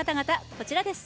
こちらです